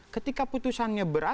ketika putusannya berarti